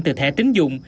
từ thẻ tín dụng